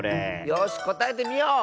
よしこたえてみよう！